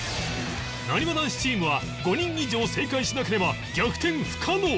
なにわ男子チームは５人以上正解しなければ逆転不可能